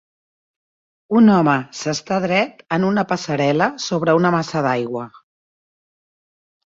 Un home s'està dret en una passarel·la sobre una massa d'aigua.